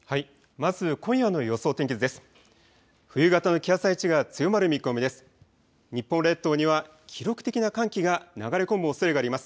まず今夜の予想天気図です。